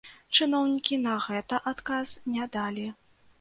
Чыноўнікі на гэта адказ не далі.